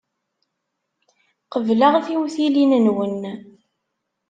Qebleɣ tiwtilin-nwen.